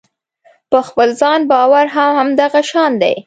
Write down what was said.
په خپل ځان باور هم همدغه شان دی.